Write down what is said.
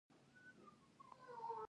د خلکو ستونزې باید د ګټې وسیله نه شي.